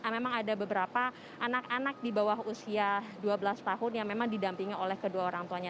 memang ada beberapa anak anak di bawah usia dua belas tahun yang memang didampingi oleh kedua orang tuanya